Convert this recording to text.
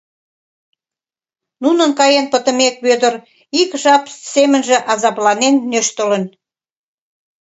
Нунын каен пытымек, Вӧдыр ик жап семынже азапланен нӧштылын.